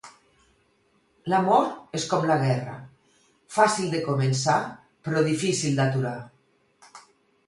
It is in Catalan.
L'amor és com la guerra: fàcil de començar, però difícil d'aturar.